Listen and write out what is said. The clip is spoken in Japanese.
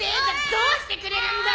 どうしてくれるんだ！？」